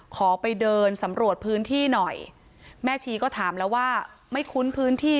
ขอไปเดินสำรวจพื้นที่หน่อยแม่ชีก็ถามแล้วว่าไม่คุ้นพื้นที่